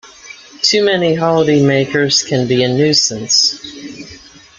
Too many holidaymakers can be a nuisance